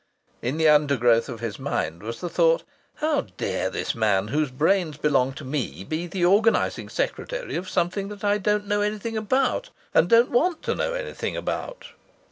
In the undergrowth of his mind was the thought: "How dare this man whose brains belong to me be the organizing secretary of something that I don't know anything about and don't want to know anything about?"